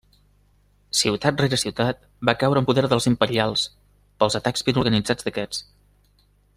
Ciutat rere ciutat va caure en poder dels imperials pels atacs ben organitzats d'aquests.